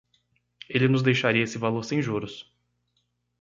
Ele nos deixaria esse valor sem juros.